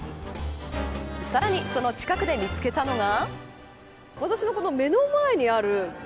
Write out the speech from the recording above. さらにその近くで見つけたのが。